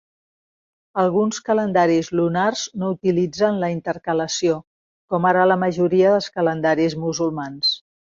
Alguns calendaris lunars no utilitzen la intercalació, com ara la majoria dels calendaris musulmans.